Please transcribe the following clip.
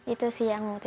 itu sih yang memutuskan